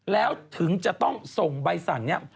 แล้วถึงจะต้องส่งใบสั่งนี้